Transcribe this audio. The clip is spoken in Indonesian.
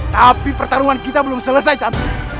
tapi pertarungan kita belum selesai cabut